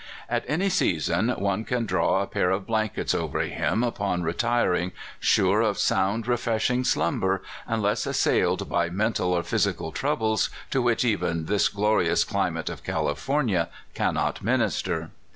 At any season, one can draw a pair of blankets over him upon re tiring, sure of sound, refreshing slumber, unless a?~ sailed by mental or physical troubles to which ever this glorious climate of California cannot minister.